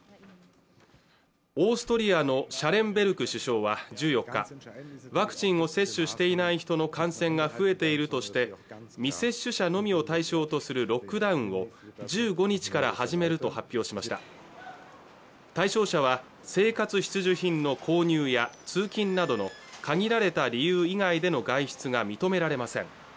オーストリアのシャレンベルク首相は１４日ワクチンを接種していない人の感染が増えているとして未接種者のみを対象とするロックダウンを１５日から始めると発表しました対象者は生活必需品の購入や通勤などの限られた理由以外での外出が認められません